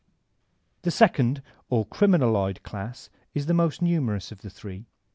The second, or criminaloid, class is the most numerous of the three.